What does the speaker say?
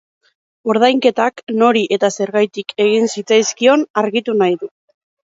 Ordainketak nori eta zergaitik egin zitzaizkion argitu nahi du.